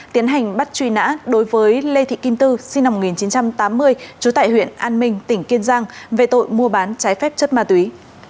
tiến hành bắt truy nã đối với lê thị kim tư sinh năm một nghìn chín trăm tám mươi trú tại huyện an minh tỉnh kiên giang về tội mua bán trái phép chất ma túy